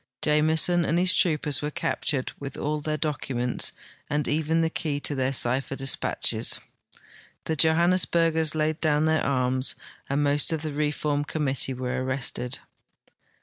Jameson and his troopers were captured with all their docu ments and even the key to their cipher dispatches. The Johan nesburgers laid down their arms, and most of the reform com mittee were arrested.